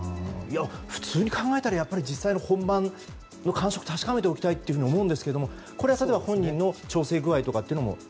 普通に考えたら実際に本番の感触を確かめておきたいと思うんですけどもこれは本人の調整具合とかも？